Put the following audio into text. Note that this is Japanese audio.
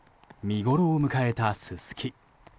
見ごろを迎えたススキ。